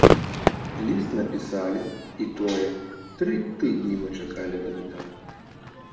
Ліст напісалі, і тое, тры тыдні мы чакалі ад гэтага.